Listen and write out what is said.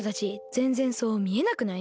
ぜんぜんそうみえなくない？